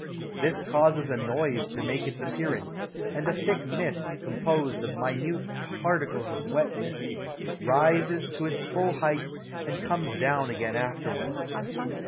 This causes a noise to make its appearance, and a thick mist, composed of minute particles of wetness, rises to its full height and comes down again afterwards.